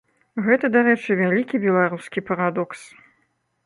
Гэта, дарэчы, вялікі беларускі парадокс.